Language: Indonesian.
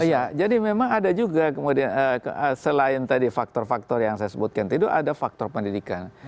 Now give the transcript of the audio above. ya jadi memang ada juga kemudian selain tadi faktor faktor yang saya sebutkan itu ada faktor pendidikan